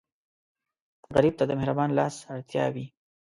غریب ته د مهربان لاس اړتیا وي